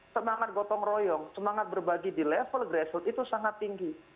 semangat gotong royong semangat berbagi di level grassroot itu sangat tinggi